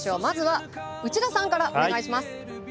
まずは内田さんからお願いします。